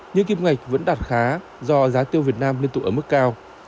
nhưng kim ngạch vẫn đạt khá do giá tiêu việt nam liên tục ở mức cao